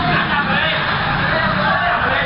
อันนี้